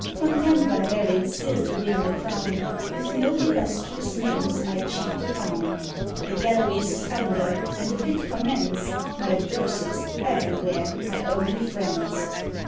Content by Merit still to win the crown, With no illustrious names I cheat the town. The galleries thunder, and the pit commends; My verses, everywhere, my only friends!